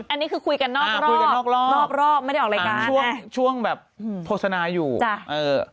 อันนี้คือคุยกันนอกรอบคุยกันนอกรอบนอกรอบไม่ได้ออกรายการช่วงช่วงแบบอืมโฆษณาอยู่จ้ะเอ่อ